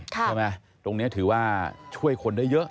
ตรงนี้ถือว่าช่วยคนได้เยอะ